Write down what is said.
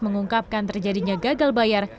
mengungkapkan terjadinya gagal bayar